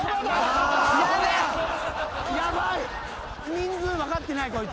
人数分かってないこいつ。